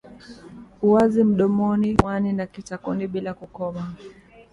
uwazi mdomoni puani na kitakoni bila kukoma